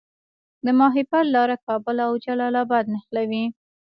د ماهیپر لاره کابل او جلال اباد نښلوي